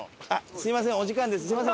すみませんお時間です。